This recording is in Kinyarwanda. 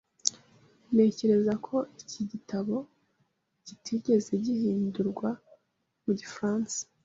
Ntekereza ko iki gitabo kitigeze gihindurwa mu gifaransa .